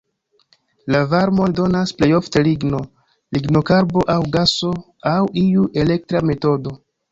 La varmon donas plej ofte ligno, lignokarbo aŭ gaso aŭ iu elektra metodo.